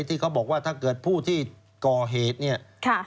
ที่เขาบอกว่าถ้าเกิดผู้ที่ก่อเหตุเนี่ย